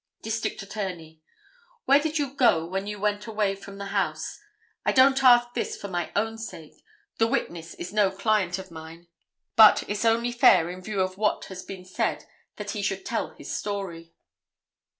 District Attorney—"Where did you go when you went away from the house? I don't ask this for my own sake. The witness is no client of mine, but it's only fair in view of what has been said that he should tell his story."